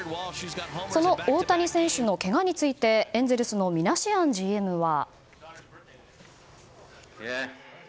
その大谷選手のけがについてエンゼルスのミナシアンＧＭは。